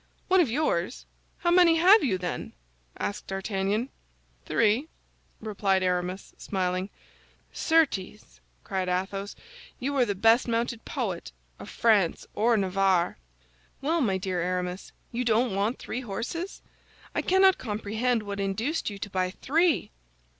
"One of yours! how many have you, then?" asked D'Artagnan. "Three," replied Aramis, smiling. "Certes," cried Athos, "you are the best mounted poet of France or Navarre." "Well, my dear Aramis, you don't want three horses? I cannot comprehend what induced you to buy three!"